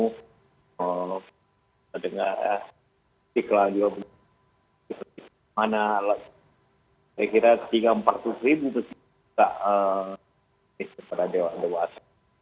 kita dengar titik lagi mana saya kira tiga empat ratus ribu itu kita beri kepada dewa dewa asyik